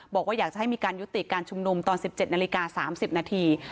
บอกว่าอยากจะให้มีการยุติการชุมนุมตอน๑๗นาฬิกา๓๐นาที